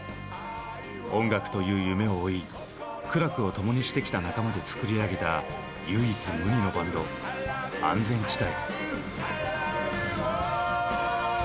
音楽という夢を追い苦楽を共にしてきた仲間で作り上げた唯一無二のバンド安全地帯。